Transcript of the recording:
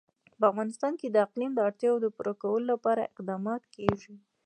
په افغانستان کې د اقلیم د اړتیاوو پوره کولو لپاره اقدامات کېږي.